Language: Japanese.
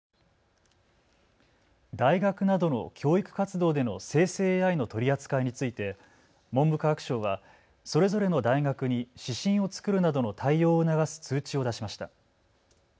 大学などの教育活動での生成ＡＩの取り扱いについて文部科学省はそれぞれの大学に指針を作るなどの対応を促す通知を出しました。